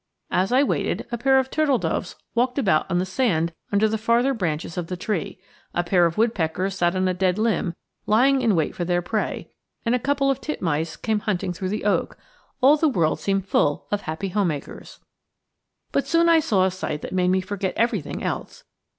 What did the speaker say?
As I waited, a pair of turtle doves walked about on the sand under the farther branches of the tree; a pair of woodpeckers sat on a dead limb lying in wait for their prey; and a couple of titmice came hunting through the oak all the world seemed full of happy home makers. But soon I saw a sight that made me forget everything else.